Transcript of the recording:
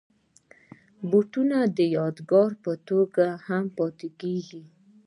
بوټونه د یادګار په توګه هم پاتې کېږي.